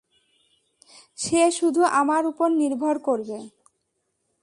সে শুধু আমার উপর নির্ভর করবে!